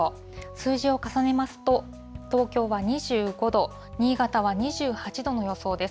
数字を重ねますと、東京は２５度、新潟は２８度の予想です。